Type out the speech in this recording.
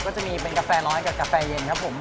ก็จะมีเป็นกาแฟน้อยกับกาแฟเย็นครับผม